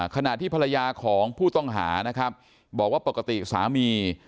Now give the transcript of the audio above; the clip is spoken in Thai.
ขณะที่ภรรยาของผู้ต้องหานะครับบอกว่าปกติสามี